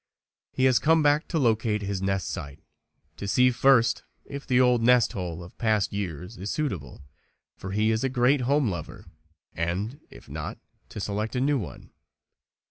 He has come back to locate his nest site to see first if the old nest hole of past years is suitable, for he is a great home lover, and, if not, to select a new one.